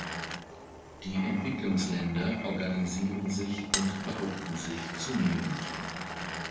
Die Entwicklungsländer organisieren sich und behaupten sich zunehmend.